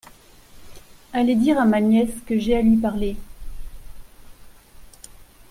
Allez dire à ma nièce que j’ai à lui parler.